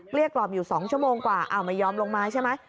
เรียกกล่อมอยู่๒ชั่วโมงกว่าอ้าวไม่ยอมลงมาใช่ไหม